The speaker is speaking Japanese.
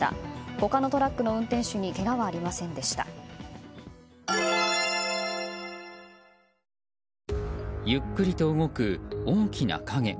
他のトラックの運転手にゆっくりと動く大きな影。